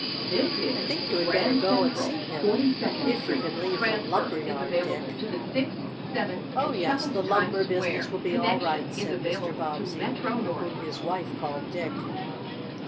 I think you had better go and see him, if you can leave the lumberyard, Dick." "Oh, yes, the lumber business will be all right," said Mr. Bobbsey, whom his wife called Dick.